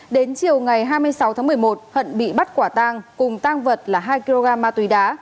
đến chiều ngày hai mươi sáu tháng một mươi một hận bị bắt quả tang cùng tang vật là hai kg ma túy đá